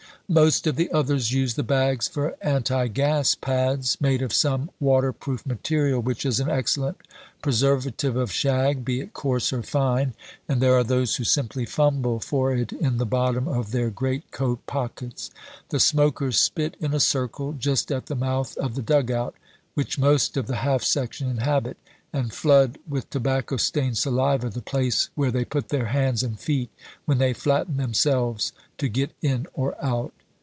Most of the others use the bags for anti gas pads, made of some waterproof material which is an excellent preservative of shag, be it coarse or fine; and there are those who simply fumble for it in the bottom of their greatcoat pockets. The smokers spit in a circle, just at the mouth of the dug out which most of the half section inhabit, and flood with tobacco stained saliva the place where they put their hands and feet when they flatten themselves to get in or out.